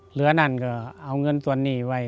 เหลือนั่นก็เอาเงินส่วนนี้ไว้